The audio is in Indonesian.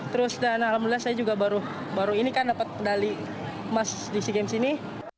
terus dan alhamdulillah saya juga baru ini kan dapat medali emas di sea games ini